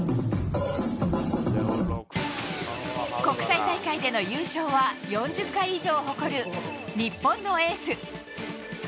国際大会での優勝は４０回以上を誇る日本のエース。